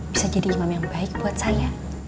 bisa jadi imam yang baik buat saya